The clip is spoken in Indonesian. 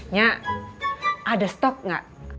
nyak ada stok nggak